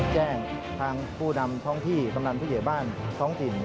แจ้งทางผู้ดำท้องที่กำลังพิเศษบ้านท้องสิน